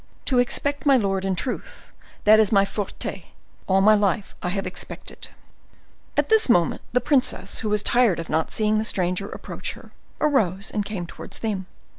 "To expect, my lord, in truth, that is my forte; all my life I have expected." At this moment, the princess, who was tired of not seeing the stranger approach her, arose and came towards them.